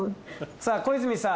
さあ小泉さん